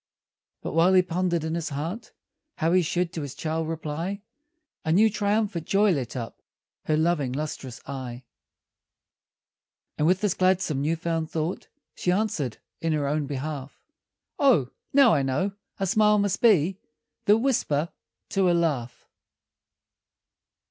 But while he pondered in his heart How he should to his child reply, A new, triumphant joy lit up Her loving, lustrous eye; And with this gladsome, new found thought, She answered in her own behalf: "Oh, now, I know; a smile must be _The whisper to a laugh!